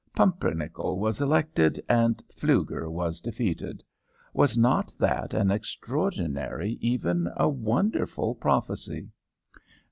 Pumpernickel was elected, and Pflueger was defeated. Was not that an extraordinary, even a wonderful prophecy?"